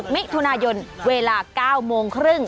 มิถุนายนเวลา๙โมงครึ่ง